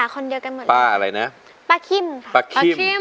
ค่ะคนเดียวกันหมดเลย